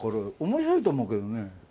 面白いと思うけどね。